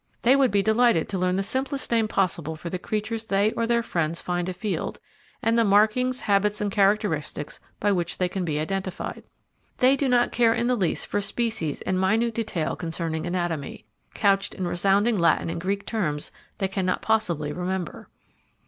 They would be delighted to learn the simplest name possible for the creatures they or their friends find afield, and the markings, habits, and characteristics by which they can be identified. They do not care in the least for species and minute detail concerning anatomy, couched in resounding Latin and Greek terms they cannot possibly remember.